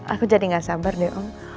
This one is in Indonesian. aku jadi gak sabar deh om